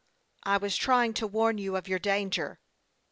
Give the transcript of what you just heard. " I was trying to warn you of your danger."